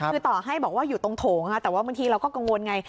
คือต่อให้บอกว่าอยู่ตรงโถงแต่ว่าบางทีเราก็กังวลไง